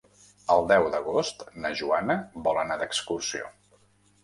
El deu d'agost na Joana vol anar d'excursió.